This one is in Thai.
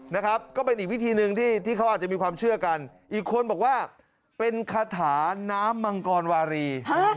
นะครับก็เป็นอีกวิธีหนึ่งที่เขาอาจจะมีความเชื่อกันอีกคนบอกว่าเป็นคาถาน้ำมังกรวารี